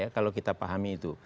kalau kita pahami itu